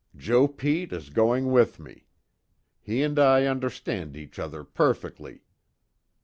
Joe Pete is going with me. He and I understand each other perfectly."